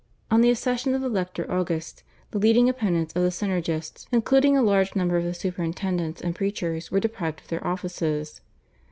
On the accession of the Elector August the leading opponents of the Synergists, including a large number of the superintendents and preachers, were deprived of their offices.